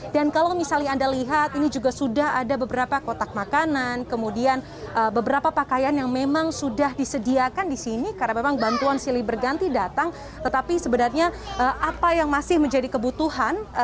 dan kalau misalnya anda lihat ini juga sudah ada beberapa kotak makanan kemudian beberapa pakaian yang memang sudah disediakan di sini karena memang bantuan silih berganti datang tetapi sebenarnya apa yang masih menjadi kebutuhan